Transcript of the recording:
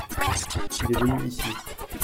Il est venu ici.